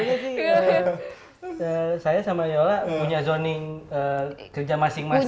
saya sih saya sama yola punya zoning kerja masing masing